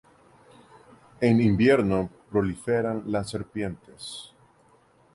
En invierno proliferan las serpientes.